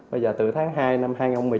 bây giờ từ tháng hai năm hai nghìn một mươi tám